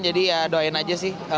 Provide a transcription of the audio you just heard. jadi ya doain aja sih